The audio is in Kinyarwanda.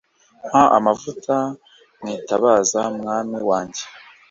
mpa amavuta mwitabaza mwami wanjye